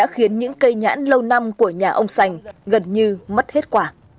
khiến những cây nhãn lâu năm của nhà ông sành gần như mất hết quả